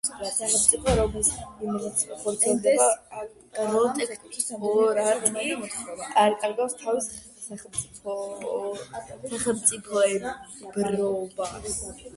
სახელმწიფო, რომლის მიმართაც ხორციელდება პროტექტორატი, არ კარგავს თავის სახელმწიფოებრიობას.